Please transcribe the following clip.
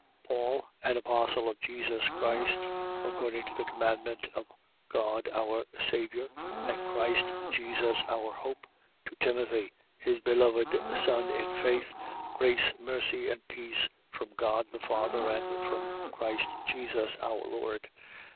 1:1. Paul, an apostle of Jesus Christ, according to the commandment of God our Saviour and Christ Jesus our hope: 1:2. To Timothy, his beloved son in faith. Grace, mercy and peace, from God the Father and from Christ Jesus our Lord.